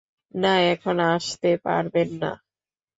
না, এখন আসতে পারবেন না।